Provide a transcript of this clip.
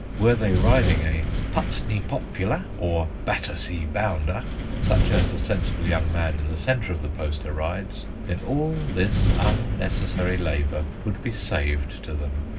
Were they riding a "Putney Popular" or "Battersea Bounder," such as the sensible young man in the centre of the poster rides, then all this unnecessary labour would be saved to them.